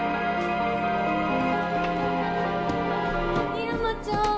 深山ちゃん！